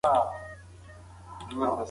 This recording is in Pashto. پخوانۍ دیموکراسي له نننۍ هغې سره توپیر درلود.